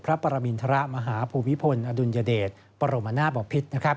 พระปรมินทรมาฮภูมิพลอดุลยเดชบรมนาศบพิษ